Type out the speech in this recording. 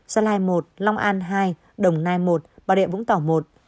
gia lai một long an hai đồng nai một bà rịa vũng tàu một